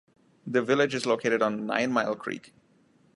The village is located on Nine Mile Creek.